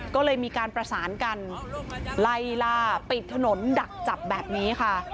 ก็เลยมีการประสานกันไล่ล่าปิดถนนดักจับแบบนี้ค่ะ